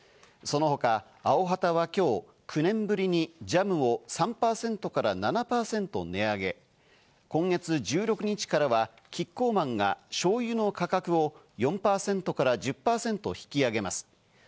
その他、アヲハタは今日、９年ぶりにジャムを３％から７％値上げ、今月１６日からはキッコーマンが醤油の価格を４％から１０％引き上げます。